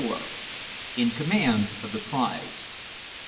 IN COMMAND OF THE PRIZE.